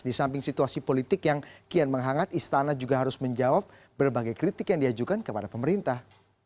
di samping situasi politik yang kian menghangat istana juga harus menjawab berbagai kritik yang diajukan kepada pemerintah